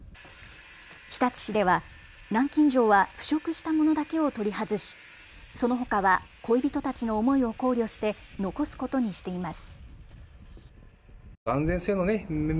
日立市では、南京錠は腐食したものだけを取り外しそのほかは恋人たちの思いを考慮して残すことにしています。